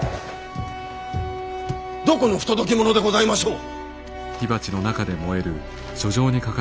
どこの不届き者でございましょう？